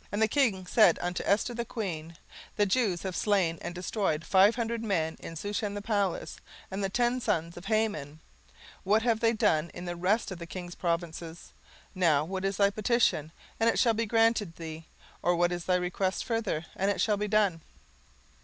17:009:012 And the king said unto Esther the queen, The Jews have slain and destroyed five hundred men in Shushan the palace, and the ten sons of Haman; what have they done in the rest of the king's provinces? now what is thy petition? and it shall be granted thee: or what is thy request further? and it shall be done.